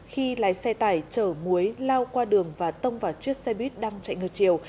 khi lái xe tải chở muối lao qua đường và tông vào chiếc xe buýt đang chạy ngược chiều